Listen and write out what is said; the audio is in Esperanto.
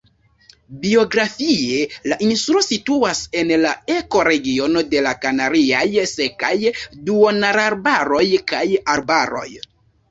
Biogeografie la insulo situas en la ekoregiono de la kanariaj sekaj duonarbaroj kaj arbaroj.